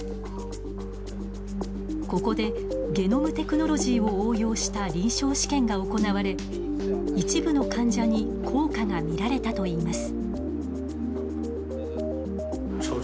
ここでゲノムテクノロジーを応用した臨床試験が行われ一部の患者に効果が見られたといいます。